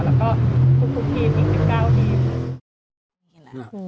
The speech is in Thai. แล้วก็ทุกทีมอีก๑๙ทีม